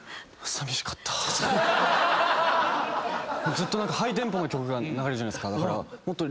ずっとハイテンポな曲が流れるじゃないですか。